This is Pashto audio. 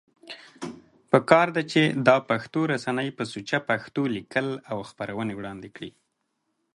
پکار ده چې دا پښتو رسنۍ په سوچه پښتو ليکل او خپرونې وړاندی کړي